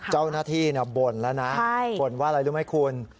เจ้าหน้าที่บ่นแล้วนะบ่นว่าอะไรรู้ไหมคุณ